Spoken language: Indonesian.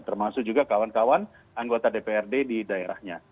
termasuk juga kawan kawan anggota dprd di daerahnya